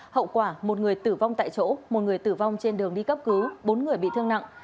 hậu quả một người tử vong tại chỗ một người tử vong trên đường đi cấp cứu bốn người bị thương nặng